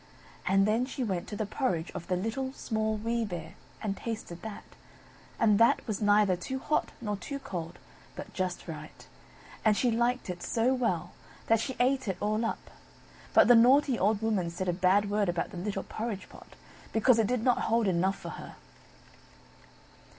And then she went to the porridge of the Little, Small, Wee Bear, and tasted that; and that was neither too hot, nor too cold, but just right; and she liked it so well, that she ate it all up: but the naughty old Woman said a bad word about the little porridge pot, because it did not hold enough for her.